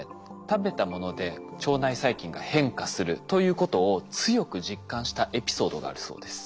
食べたもので腸内細菌が変化するということを強く実感したエピソードがあるそうです。